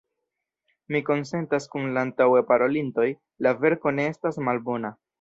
Mi konsentas kun la antaŭe parolintoj – la verko ne estas malbona.